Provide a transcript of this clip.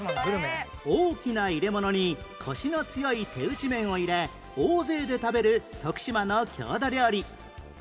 大きな入れ物にコシの強い手打ち麺を入れ大勢で食べる徳島の郷土料理